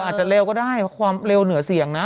อาจจะเร็วก็ได้เพราะความเร็วเหนือเสี่ยงนะ